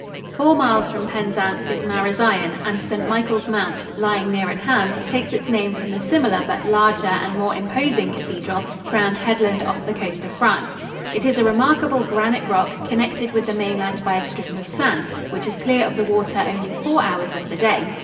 Four miles from Penzance is Marazion, and St. Michael's Mount, lying near at hand, takes its name from the similar but larger and more imposing cathedral crowned headland off the coast of France. It is a remarkable granite rock, connected with the mainland by a strip of sand, which is clear of the water only four hours of the day.